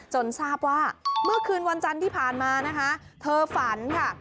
ทราบว่าเมื่อคืนวันจันทร์ที่ผ่านมานะคะเธอฝันค่ะ